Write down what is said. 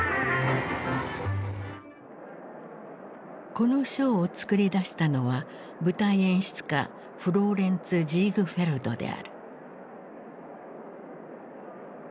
このショーを作り出したのは舞台演出家フローレンツ・ジーグフェルドである。